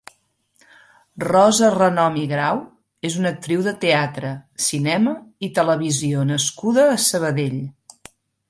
Rosa Renom i Grau és una actriu de teatre, cinema i televisió nascuda a Sabadell.